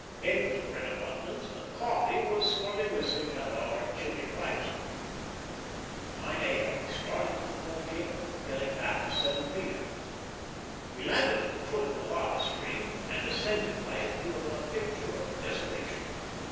Eggs were in abundance, but coffee was sorely missed at our chilly rising. At 9 A.M. we started for the volcano, getting back at 7 P.M. We landed at the foot of the lava stream and ascended by it through a picture of desolation.